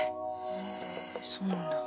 へぇそうなんだ。